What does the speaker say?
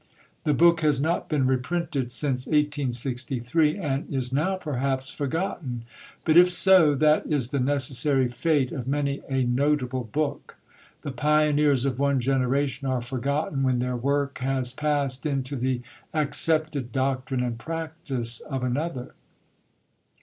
The book has not been reprinted since 1863, and is now, perhaps, forgotten; but, if so, that is the necessary fate of many a notable book. The pioneers of one generation are forgotten when their work has passed into the accepted doctrine and practice of another.